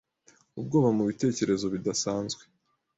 ubwoba mubitekerezo bidasanzwe.